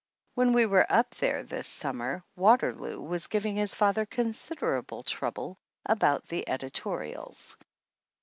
When we were up there in the summer Water loo was giving his father considerable trouble about the editorials.